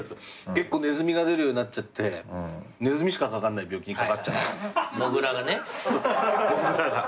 結構ネズミが出るようになっちゃってネズミしかかかんない病気にかかっちゃった。